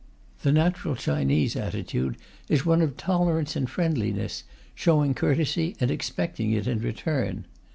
The natural Chinese attitude is one of tolerance and friendliness, showing courtesy and expecting it in return.